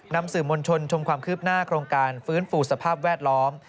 นำสื่อมวลชนชมความคืบหน้าโครงการฟื้นฟูสภาพแวดล้อม